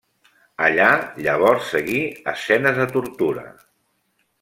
Allà llavors seguir escenes de tortura.